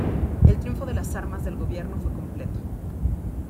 El triunfo de las armas del gobierno fue completo.